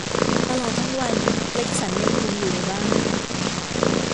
ตลอดทั้งวัน เกร็กสันยังคงอยู่ในบ้าน